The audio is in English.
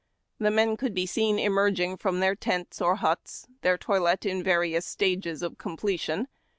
The men could be seen emerging from their tents or huts, their toilet in various stages of completion.